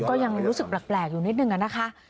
ก็ยังรู้สึกแปลกอยู่นิดนึงนะคะ